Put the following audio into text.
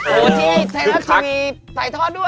โอ้ที่ไทยแล้วคือมีไตรทอดด้วย